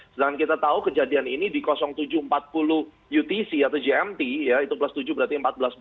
sedangkan kita tahu kejadian ini di tujuh ratus empat puluh utc atau gmt ya itu plus tujuh berarti empat belas dua puluh